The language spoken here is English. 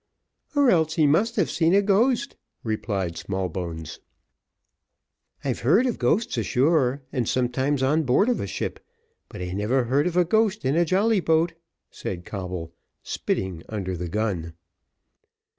"Or else he must have seen a ghost," replied Smallbones. "I've heard of ghosts ashore, and sometimes on board of a ship, but I never heard of a ghost in a jolly boat," said Coble, spitting under the gun.